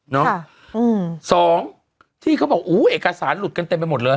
เนาะสองที่เขาบอกอุ้ยเอกสารหลุดกันเต็มไปหมดเลย